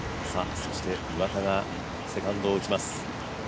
岩田がセカンドを打ちます。